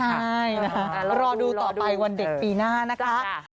ใช่นะคะรอดูต่อไปวันเด็กปีหน้านะคะ